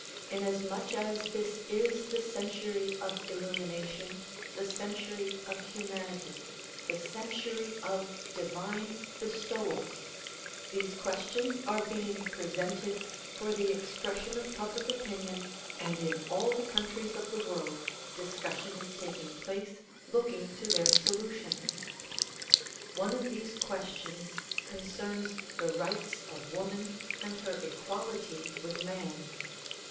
Inasmuch as DISCOURSES DELIVERED IN NEW YORK 129 this is the century of illumination, the century of humanity, the century of divine bestowals, these questions are being presented for the expression of public opinion and in all the countries of the world, discussion is taking place looking to their solution. One of these questions concerns the rights of woman and her ecjuality with man.